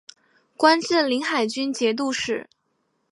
官至临海军节度使。